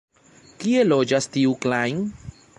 Kie loĝas tiu Klajn?